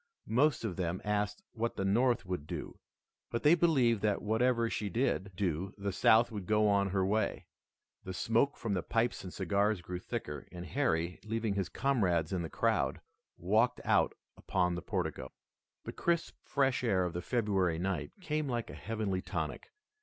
Most of them asked what the North would do, but they believed that whatever she did do the South would go on her way. The smoke from the pipes and cigars grew thicker, and Harry, leaving his comrades in the crowd, walked out upon the portico. The crisp, fresh air of the February night came like a heavenly tonic.